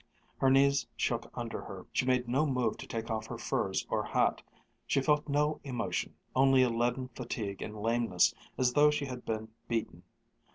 Her knees shook under her. She made no move to take off her furs or hat. She felt no emotion, only a leaden fatigue and lameness as though she had been beaten.